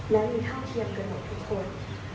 และมีเข้าเทียมกับทุกคน